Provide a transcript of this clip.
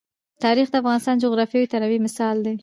تاریخ د افغانستان د جغرافیوي تنوع مثال دی.